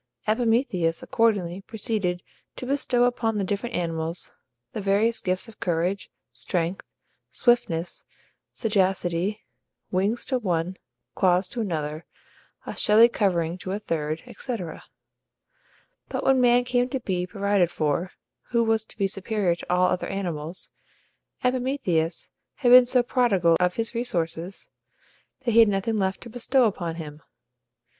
Epimetheus accordingly proceeded to bestow upon the different animals the various gifts of courage, strength, swiftness, sagacity; wings to one, claws to another, a shelly covering to a third, etc. But when man came to be provided for, who was to be superior to all other animals, Epimetheus had been so prodigal of his resources that he had nothing left to bestow upon him.